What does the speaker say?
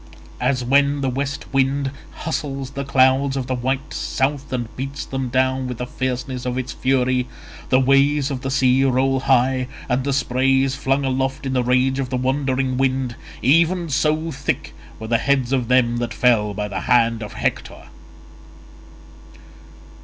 As when the west wind hustles the clouds of the white south and beats them down with the fierceness of its fury—the waves of the sea roll high, and the spray is flung aloft in the rage of the wandering wind—even so thick were the heads of them that fell by the hand of Hector.